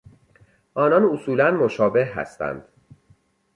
آنان اصولا مشابه هستند.